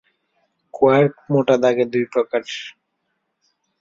Quark মোটা দাগে দুই প্রকার।